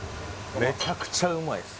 めちゃくちゃうまいです！